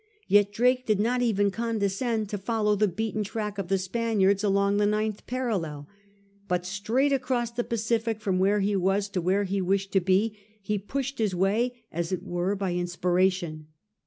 Yet Drake did not even condescend to fol low the beaten trade track of the Spaniards along the ninth parallel But straight across the Pacific, from where he was to where he wished to be, he pushed his way as it were by inspiration.